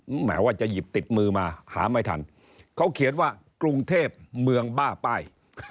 แหมว่าจะหยิบติดมือมาหาไม่ทันเขาเขียนว่ากรุงเทพเมืองบ้าป้าย